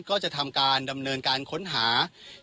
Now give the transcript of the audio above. ก็จะทำการดำเนินการค้นหา